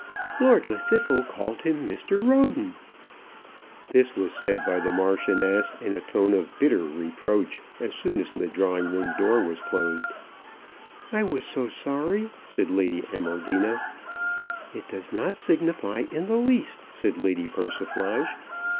"Lord Llwddythlw called him Mr. Roden!" This was said by the Marchioness in a tone of bitter reproach as soon as the drawing room door was closed. "I was so sorry," said Lady Amaldina. "It does not signify in the least," said Lady Persiflage.